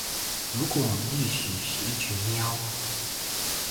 如果歷史是一群喵